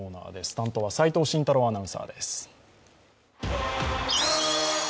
担当は齋藤慎太郎アナウンサーです。